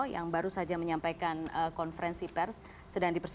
yang baru saja menyampaikan konferensi pers sedang dipersiapkan oleh tim kami